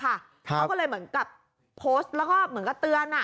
เขาก็เลยเหมือนกับโพสต์แล้วก็เหมือนกับเตือน